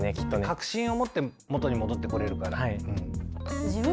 確信を持って元に戻ってこれるから。